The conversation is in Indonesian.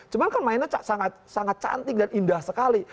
cuma kan mainnya sangat cantik dan indah sekali